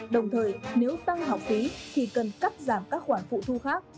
đồng thời nếu tăng học phí thì cần cắt giảm các khoản phụ thu khác